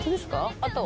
あとは？